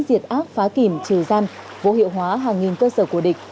diệt ác phá kìm trừ giam vô hiệu hóa hàng nghìn cơ sở của địch